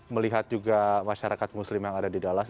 melihat juga masyarakat muslim yang ada di dallas